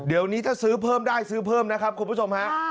เดี๋ยวนี้ถ้าซื้อเพิ่มได้ซื้อเพิ่มนะครับคุณผู้ชมฮะ